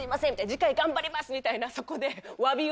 次回頑張ります」みたいなそこで。